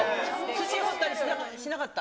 土掘ったりしなかった？